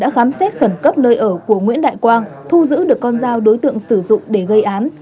đã khám xét khẩn cấp nơi ở của nguyễn đại quang thu giữ được con dao đối tượng sử dụng để gây án